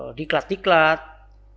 kemudian kita lakukan diklat diklat